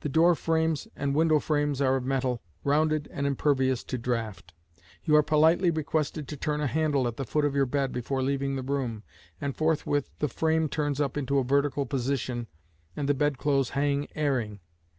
The door frames and window frames are of metal, rounded and impervious to draught. You are politely requested to turn a handle at the foot of your bed before leaving the room, and forthwith the frame turns up into a vertical position, and the bedclothes hang airing.